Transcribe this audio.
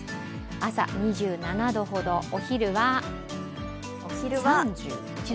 朝、２７度ほど、お昼は３１度。